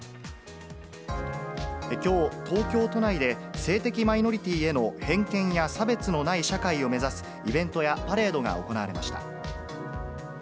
きょう、東京都内で性的マイノリティーへの偏見や差別のない社会を目指すイベントやパレードが行われました。